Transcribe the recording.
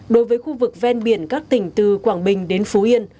đối với khu vực ven biển các tỉnh từ quảng bình đến phú yên